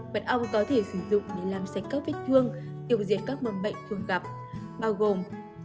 mật ong có thể sử dụng để làm sạch các vết thương tiêu diệt các mầm bệnh thường gặp bao gồm